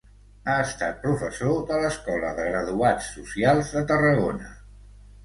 Ha estat professor de l'Escola de Graduats Socials de Tarragona.